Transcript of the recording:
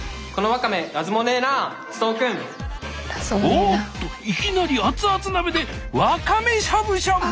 おっといきなり熱々鍋でワカメしゃぶしゃぶだ！